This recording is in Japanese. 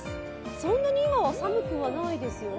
そんなに今は寒くないですよね。